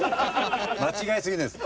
間違えすぎです。